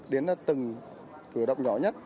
đến từng cử động nhỏ nhất